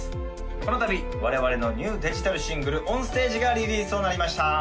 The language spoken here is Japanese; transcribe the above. この度我々のニューデジタルシングル「オンステージ」がリリースとなりました